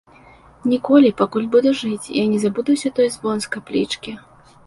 Ніколі, пакуль буду жыць, я не забудуся той звон з каплічкі.